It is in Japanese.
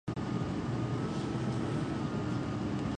北海道厚岸町